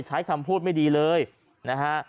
ใช้คำพูดไม่ดีเลยนะฮะ